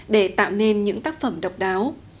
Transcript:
để tạo nên những tác phẩm độc đáo